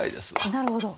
なるほど。